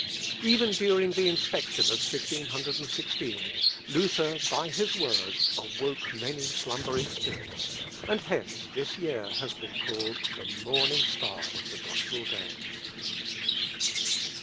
Even during the inspection of 1516, Luther by his words awoke many slumbering spirits, and hence this year has been called "the morning star of the gospel day."